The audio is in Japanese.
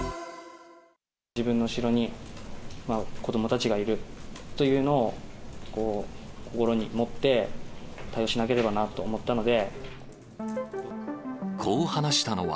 自分の後ろに子どもたちがいるというのを、心に持って対応しなければなと思ったので。